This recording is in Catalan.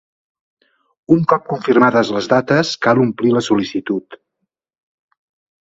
Un cop confirmades les dates, cal omplir la sol·licitud.